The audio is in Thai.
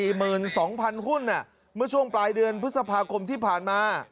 ๔๒๐๐๐หุ้นเมื่อช่วงปลายเดือนพฤษภาคมที่ผ่านมา